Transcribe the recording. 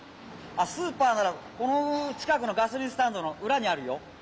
スーパーならこの近くのガソリンスタンドの裏にあるよ。